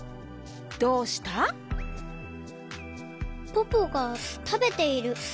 ポポがたべている。